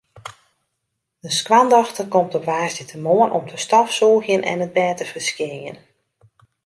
De skoandochter komt op woansdeitemoarn om te stofsûgjen en it bêd te ferskjinjen.